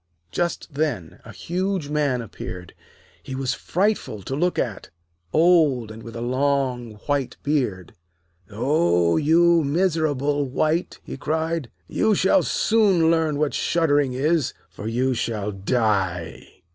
Just then a huge Man appeared. He was frightful to look at, old, and with a long white beard. 'Oh, you miserable wight!' he cried. 'You shall soon learn what shuddering is, for you shall die.'